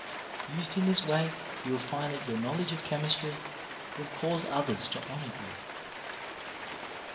Used in this way you will find that your knowledge of chemistry will cause others to honour you.